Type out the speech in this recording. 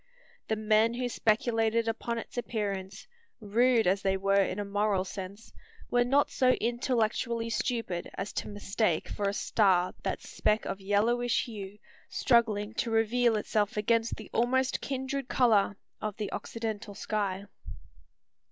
The men who speculated upon its appearance, rude as they were in a moral sense, were not so intellectually stupid as to mistake for a star that speck of yellowish hue, struggling to reveal itself against the almost kindred colour of the occidental sky.